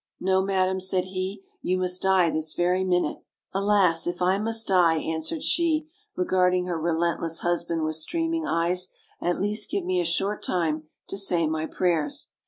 "No, madam," said he, "you must die this very min ute." "Alas! if I must die," answered she, regarding her re lentless husband with streaming eyes, "at least give me a short time to say my prayers."